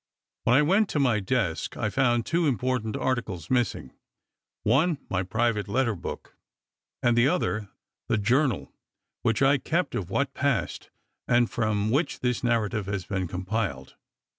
When I went to my desk, I found two important articles missing; one, my private letter book, and the other, the journal which I kept of what passed, and from which this narrative has been compiled.